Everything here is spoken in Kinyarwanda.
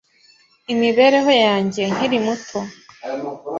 imibereho yanjye nkiri muto